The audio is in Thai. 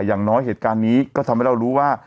อย่างน้อยเหตุการณ์นี้ก็ทำให้เรารู้ว่า